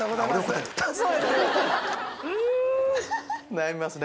悩みますね。